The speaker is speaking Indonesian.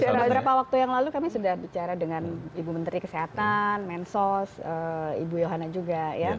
beberapa waktu yang lalu kami sudah bicara dengan ibu menteri kesehatan mensos ibu yohana juga ya